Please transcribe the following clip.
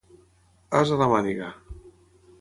As a la màniga.